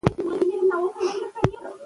که تمرین کم وي، تېروتنه ډېريږي.